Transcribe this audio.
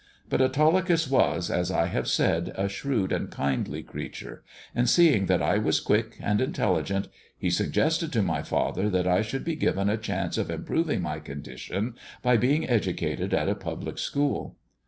But Autolycus was, as I have said, a shrewd and kindly creature, and seeing that I was quick and intelligent, he suggested to my father that I should be given a chance of improving my condition by being educated at a public school.